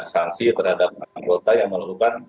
sanksi terhadap anggota yang melakukan